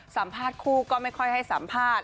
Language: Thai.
สัมภาษณ์คู่ก็ไม่ค่อยให้สัมภาษณ์